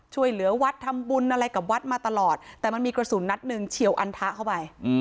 ช่วยเหลือวัดทำบุญอะไรกับวัดมาตลอดแต่มันมีกระสุนนัดหนึ่งเฉียวอันทะเข้าไป